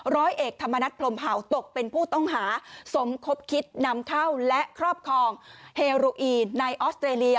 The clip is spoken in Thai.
ร้อยเอกธรรมนัฐพรมเผาตกเป็นผู้ต้องหาสมคบคิดนำเข้าและครอบครองเฮโรอีในออสเตรเลีย